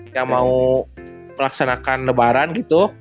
yang mau melaksanakan lebaran gitu